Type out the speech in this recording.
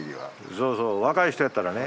そうそう若い人やったらね。